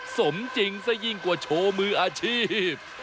สมจริงซะยิ่งกว่าโชว์มืออาชีพ